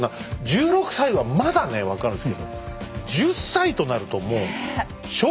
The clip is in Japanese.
１６歳はまだね分かるんですけど１０歳となるともう。